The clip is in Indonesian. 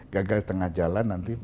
gagal di tengah jalan nanti